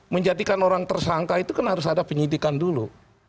menjadikan orang tersangka itu kan harus ada penyidikan dulu